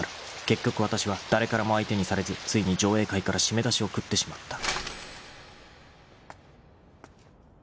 ［結局わたしは誰からも相手にされずついに上映会から締め出しを食ってしまった］